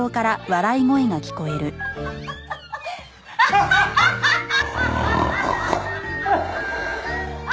ハハハハハ！